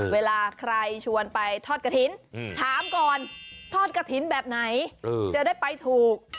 เวลาใครชวนไปทอดกระถิ่นถามก่อนทอดกระถิ่นแบบไหนจะได้ไปถูก